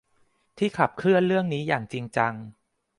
ที่ขับเคลื่อนเรื่องนี้อย่างจริงจัง